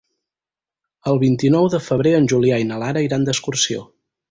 El vint-i-nou de febrer en Julià i na Lara iran d'excursió.